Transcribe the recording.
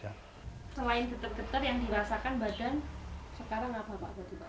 selain getar getar yang dirasakan badan sekarang apa pak